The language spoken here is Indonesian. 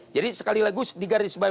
jadi sekaligus digarisbawi